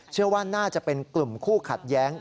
เชื่อว่าน่าจะเป็นกลุ่มคู่ขัดแย้ง